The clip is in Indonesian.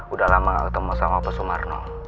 udah lama gak ketemu sama pak sumarno